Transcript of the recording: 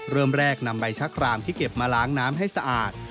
เริ่มแรกนำใบชะครามที่เก็บมาล้างน้ำให้สะอาด